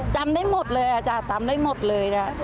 จำได้หมดเลยอ่ะจ้ะจำได้หมดเลยจ้ะ